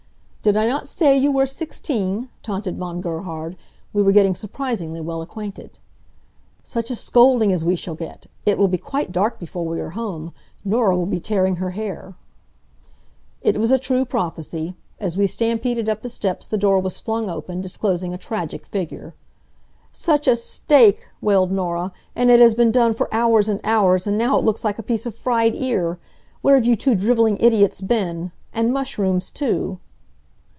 "Did I not say you were sixteen?" taunted Von Gerhard. We were getting surprisingly well acquainted. "Such a scolding as we shall get! It will be quite dark before we are home. Norah will be tearing her hair." It was a true prophecy. As we stampeded up the steps the door was flung open, disclosing a tragic figure. "Such a steak!" wailed Norah, "and it has been done for hours and hours, and now it looks like a piece of fried ear. Where have you two driveling idiots been? And mushrooms too."